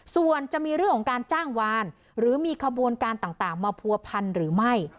ส่วนจะมีเรื่องของการจ้างวานหรือมีขบวนการต่างมาผัวพันหรือไม่